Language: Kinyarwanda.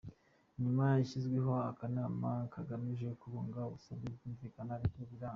Nyuma hashyizweho akanama kagamije kubunga basabwa kumvikana ariko biranga.